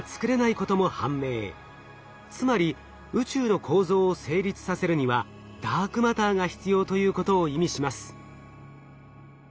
つまり宇宙の構造を成立させるにはダークマターが必要ということを意味します。